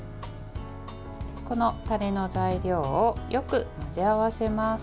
このタレの材料をよく混ぜ合わせます。